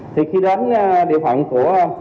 thì khi đến địa phận của